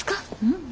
うん。